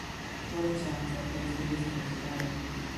Warning signs are placed for visitors prior.